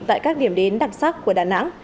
tại các điểm đến đặc sắc của đà nẵng